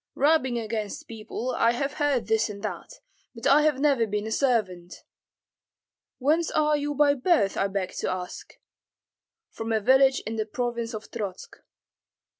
"Rubbing against people, I have heard this and that, but I have never been a servant." "Whence are you by birth, I beg to ask?" "From a village in the province of Trotsk."